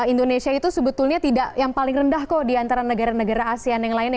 indonesia itu sebetulnya tidak yang paling rendah kok di antara negara negara asean yang lainnya